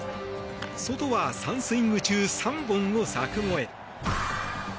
ソトは３スイング中３本の柵越え。